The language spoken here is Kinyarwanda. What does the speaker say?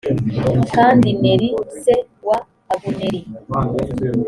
kandi neri se wa abuneri